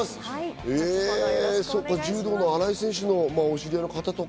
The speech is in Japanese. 柔道の新井選手のお知り合いの方だとか。